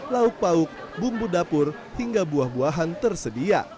lauk pauk bumbu dapur hingga buah buahan tersedia